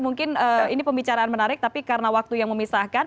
mungkin ini pembicaraan menarik tapi karena waktu yang memisahkan